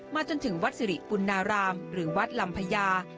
จนถึงวัดสิริปุณารามหรือวัดลำพญา